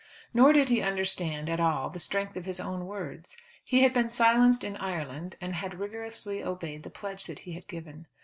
Nor did he understand at all the strength of his own words. He had been silenced in Ireland and had rigorously obeyed the pledge that he had given.